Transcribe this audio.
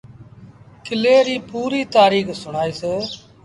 ڪلي ريٚ پوريٚ تآريٚک سُڻآئيٚس